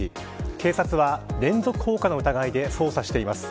警察は連続放火の疑いで捜査しています。